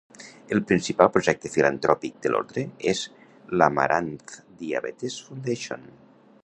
El principal projecte filantròpic de l'ordre és l'Amaranth Diabetes Foundation.